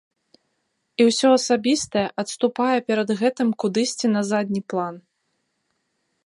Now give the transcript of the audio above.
І ўсё асабістае адступае перад гэтым кудысьці на задні план.